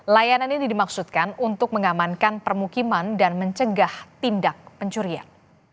layanan ini dimaksudkan untuk mengamankan permukiman dan mencegah tindak pencurian